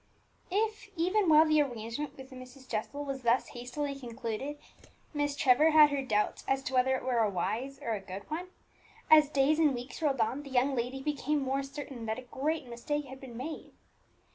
If, even while the arrangement with Mrs. Jessel was thus hastily concluded, Miss Trevor had her doubts as to whether it were a wise or a good one, as days and weeks rolled on the young lady became more certain that a great mistake had been made.